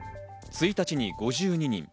１日に５２人。